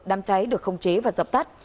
đám cháy được không chế và dập tắt